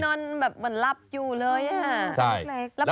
นอนแบบมันลับอยู่เลย